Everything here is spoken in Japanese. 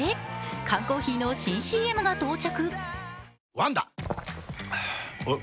缶コーヒーの新ＣＭが到着。